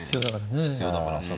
必要だからね。